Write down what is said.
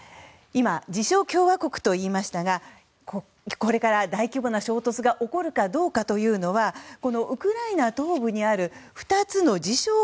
今、自称共和国と言いましたがこれから大規模な衝突が起こるかどうかというのはこのウクライナ東部にある２つの自称